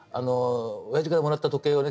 おやじからもらった時計をね